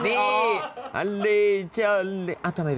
เอาเป็นชุดป๊าปิกะเนท